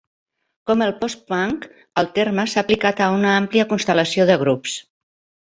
Com el "postpunk", el terme s'ha aplicat a una àmplia constel·lació de grups.